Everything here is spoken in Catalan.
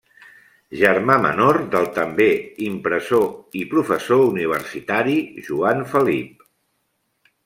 Germà menor del també impressor –i professor universitari– Joan Felip.